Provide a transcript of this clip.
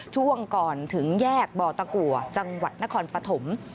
ช่วงก่อนถึงแยกบ่อตะกัวจังหวัดนครปฐม